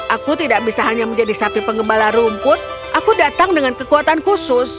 aku tidak bisa hanya menjadi sapi penggembala rumput aku datang dengan kekuatan khusus